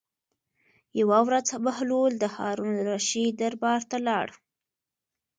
یوه ورځ بهلول د هارون الرشید دربار ته لاړ.